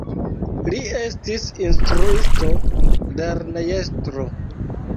Li estis instruisto, lernejestro.